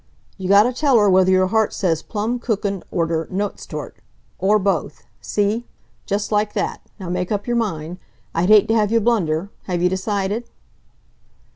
you gotta tell her whether your heart says plum kuchen oder Nusstorte, or both, see? Just like that. Now make up your mind. I'd hate t' have you blunder. Have you decided?"